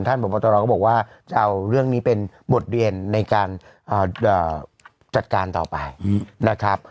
พบตรก็บอกว่าจะเอาเรื่องนี้เป็นบทเรียนในการจัดการต่อไปนะครับ